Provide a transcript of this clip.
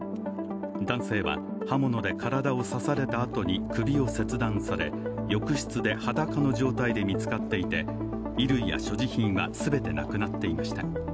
男性は刃物で体を刺されたあとに首を切断され浴室で裸の状態で見つかっていて、衣類や所持品は全てなくなっていました。